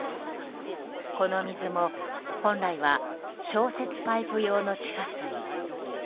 この水も本来は消雪パイプ用の地下水。